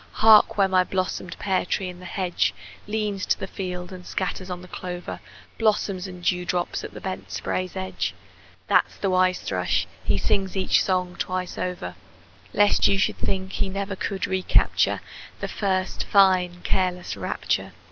Hark, where my blossomed pear tree in the hedge Leans to the field and scatters on the clover Blossoms and dewdrops at the bent spray's edge That's the wise thrush; he sings each song twice over, Lest you should think he never could recapture The first fine careless rapture!